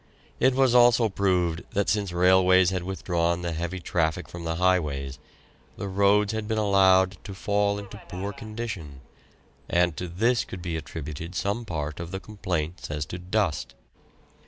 It was also proved that since railways had withdrawn the heavy traffic from the highways, the roads had been allowed to fall into poor condition, and to this could be attributed some part of the complaints as to dust.